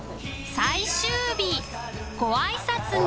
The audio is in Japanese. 最終日。